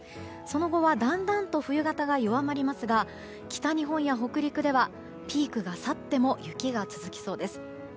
その後はだんだんと冬型が弱まりますが北日本や北陸はピークが去っても雪が続きそうです。